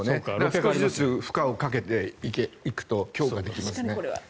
少しずつ負荷をかけていくと強化できます。